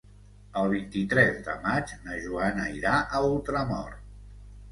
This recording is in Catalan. El vint-i-tres de maig na Joana irà a Ultramort.